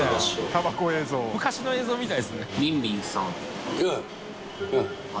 織丱咳覗昔の映像みたいですね。